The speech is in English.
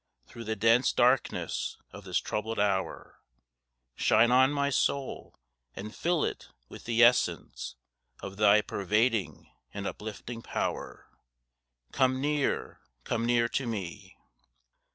Through the dense darkness of this troubled hour Shine on my soul, and fill it with the essence Of Thy pervading and uplifting power. Come near, come near to me!